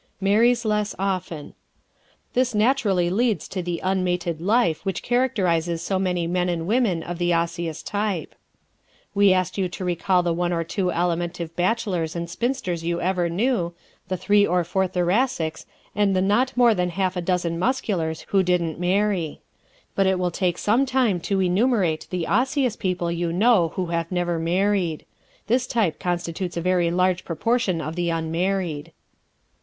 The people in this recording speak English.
Marries Less Often ¶ This naturally leads to the unmated life which characterizes so many men and women of the Osseous type. We asked you to recall the one or two Alimentive bachelors and spinsters you ever knew, the three or four Thoracics and the not more than half a dozen Musculars who didn't marry. But it will take some time to enumerate the Osseous people you know who have never married. This type constitutes a very large proportion of the unmarried.